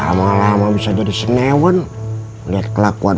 lama lama bisa jadi senewon le puppy ansiamin